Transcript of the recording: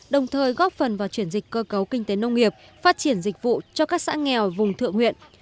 đồng thời góp phần vào chuyển dịch cơ cấu kinh tế nông nghiệp phát triển dịch vụ cho các xã nghèo vùng thượng huyện